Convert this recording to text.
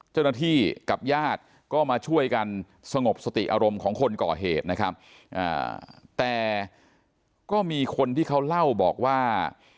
เจ้าหน้าที่กับญาติก็มาช่วยกันสงบสติอารมณ์ของคนก่อเหตุนะครับแต่ก็มีคนที่เขาเล่าบอกว่า